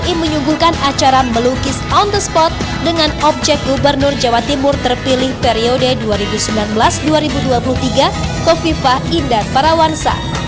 jokowi menyuguhkan acara melukis on the spot dengan objek gubernur jawa timur terpilih periode dua ribu sembilan belas dua ribu dua puluh tiga kofifah indar parawansa